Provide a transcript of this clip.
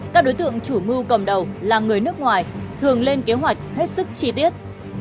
các đối tượng chủ mưu cầm đầu là người nước ngoài thường lên kế hoạch hết sức chi tiết